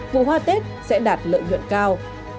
vụ hoa tết sẽ đạt lợi nhuận cao